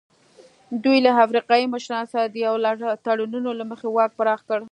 دوی له افریقایي مشرانو سره د یو لړ تړونونو له مخې واک پراخ کړ.